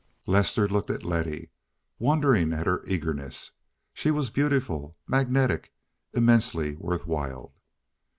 Lester looked at Letty, wondering at her eagerness. She was beautiful, magnetic, immensely worth while.